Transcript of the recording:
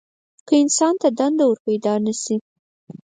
که انسان ته دنده ورپیدا نه شي.